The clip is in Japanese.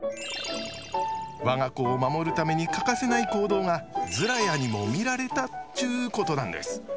我が子を守るために欠かせない行動がズラヤにも見られたっちゅうことなんです。